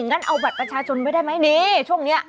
นี่ช่วงนี้